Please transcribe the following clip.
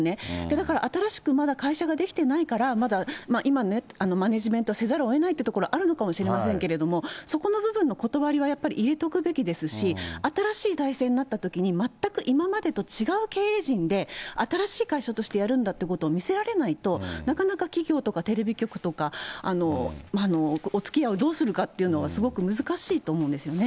だから、新しくまだ会社が出来てないから、まだ今ね、マネジメントせざるをえないというところ、あるのかもしれませんけれども、そこの部分の断わりはやっぱり入れとくべきですし、新しい体制になったときに、全く今までと違う経営陣で、新しい会社としてやるんだっていうことを見せられないと、なかなか企業とかテレビ局とか、おつきあいをどうするかっていうのはすごく難しいと思うんですよね。